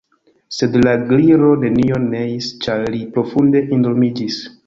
Sed la Gliro nenion neis, ĉar li profunde endormiĝis.